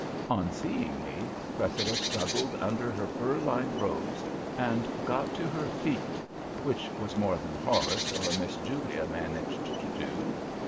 On seeing me, Cressida struggled under her fur lined robes and got to her feet, which was more than Horace or Miss Julia managed to do.